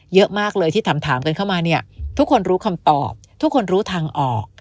เยอะมากเลยที่ถามกันเข้ามาเนี่ยทุกคนรู้คำตอบทุกคนรู้ทางออก